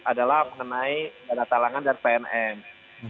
adalah mengenai dana talangan dan pnm